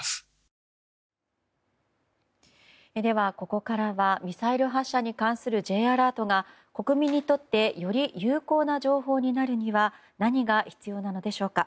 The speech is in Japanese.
ここからはミサイル発射に関するＪアラートが国民にとってより有効な情報になるには何が必要なのでしょうか。